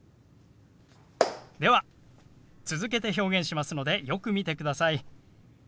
では続けて表現しますのでよく見てください。